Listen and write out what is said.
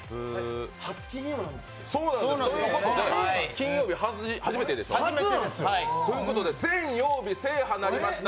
金曜日初めてでしょ。ということで全曜日制覇なりました。